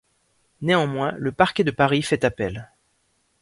Néanmoins, le parquet de Paris fait appel.